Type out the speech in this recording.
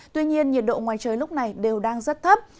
tuy nhiên nhiệt độ ngoài trời lúc này đều đang rất thấp